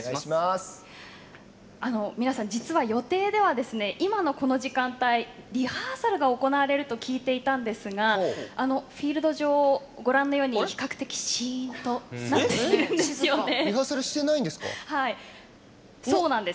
皆さん、実は予定では今のこの時間帯はリハーサルが行われると聞いていたんですがフィールド上、ご覧のように比較的しーんとなっているんです。